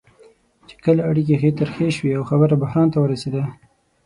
چې کله اړیکې ښې ترخې شوې او خبره بحران ته ورسېده.